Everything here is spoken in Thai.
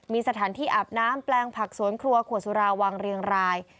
มีสถานที่อาบน้ำแปลงผักสวนครัวขวดสุราวางเรียงราย